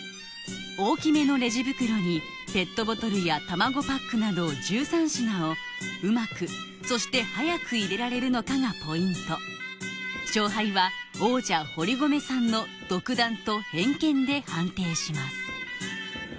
大きめのレジ袋にペットボトルや卵パックなど１３品をうまくそして早く入れられるのかがポイント勝敗は王者・堀籠さんの独断と偏見で判定します